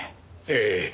ええ。